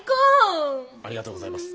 ありがとうございます。